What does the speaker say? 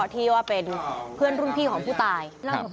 ที่ว่าเป็นเพื่อนรุ่นพี่ของผู้ตาย